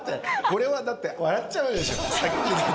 これはだって、笑っちゃうでしょ。